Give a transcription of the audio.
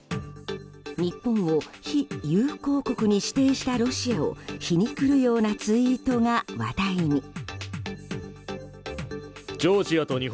日本を非友好国に指定したロシアを皮肉るようなツイートが話題に。